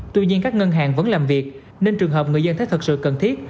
tuy nhiên các ngân hàng vẫn làm việc nên trường hợp người dân thấy thật sự cần thiết